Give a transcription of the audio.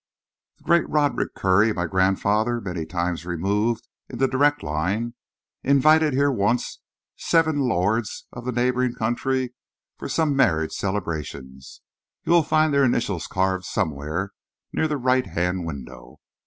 The great Roderick Currie, my grandfather many times removed in the direct line, invited here once seven lairds of the neighbouring country for some marriage celebrations. You will find their initials carved somewhere near the right hand window.